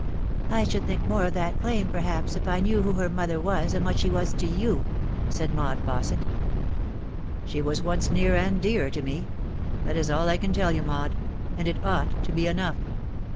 " I should think more of that claim, perhaps, if I knew who her mother was, and what she was to you," said Maud Fausset. " She was once near and dear to me. That is all I can tell you, Maud ; and it ought to be enough."